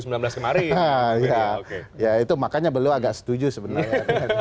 ya itu makanya beliau agak setuju sebenarnya